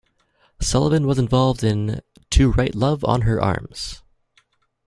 Sullivan was involved in To Write Love on Her Arms.